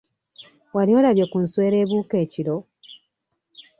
Wali olabye ku nswera ebuuka ekiro?